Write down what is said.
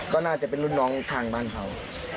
ก็น่าจะเป็นรุ่นน้องทางบ้านเขา